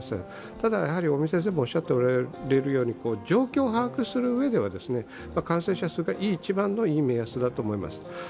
ただ尾身先生もおっしゃっているように、状況を把握するには感染者数が一番のいい目安だと思います。